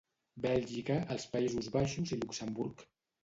Bèlgica, els Països Baixos i Luxemburg.